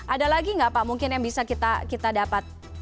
ada lagi nggak pak mungkin yang bisa kita dapat